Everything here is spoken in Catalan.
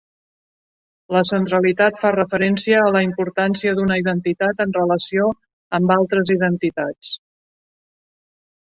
La centralitat fa referència a la importància d'una identitat en relació amb altres identitats.